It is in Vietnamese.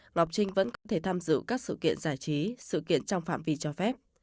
ngọc trinh vẫn có thể tham dự các sự kiện giải trí sự kiện trong phạm vi cho phép